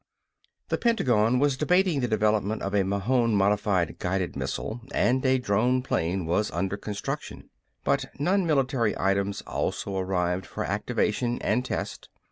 The Pentagon was debating the development of a Mahon modified guided missile, and a drone plane was under construction. But non military items also arrived for activation and test.